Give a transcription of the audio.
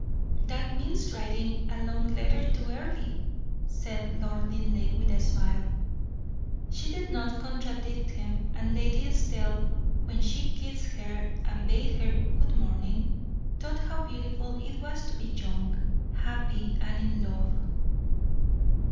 "That means writing a long letter to Earle," said Lord Linleigh, with a smile. She did not contradict him; and Lady Estelle, when she kissed her and bade her good morning, thought how beautiful it was to be young, happy, and in love.